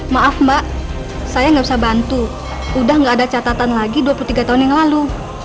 maaf mbak saya nggak bisa bantu udah gak ada catatan lagi dua puluh tiga tahun yang lalu